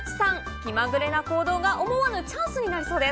気まぐれな行動が思わぬチャンスになりそうです。